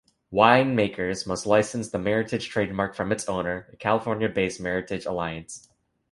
Winemakers must license the Meritage trademark from its owner, the California-based Meritage Alliance.